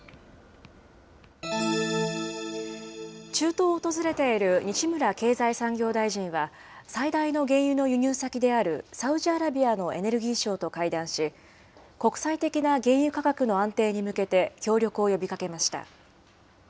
中東を訪れている西村経済産業大臣は、最大の原油の輸入先であるサウジアラビアのエネルギー相と会談し、国際的な原油価格の安定に向けて協力を呼びかけました。